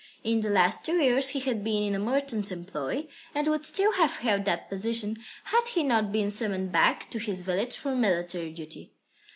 In the last two years he had been in a merchant's employ, and would still have held that position, had he not been summoned back to his village for military duty.